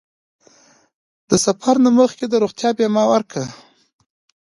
د سفر نه مخکې د روغتیا بیمه وکړه.